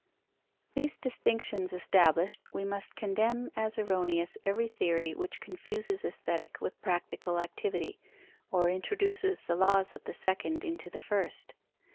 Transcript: _ These distinctions established, we must condemn as erroneous every theory which confuses aesthetic with practical activity, or introduces the laws of the second into the first.